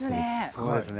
そうですね